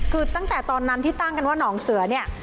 คือตั้งแต่ตอนนั้นที่ตั้งกันว่าหนองเสือเนี่ย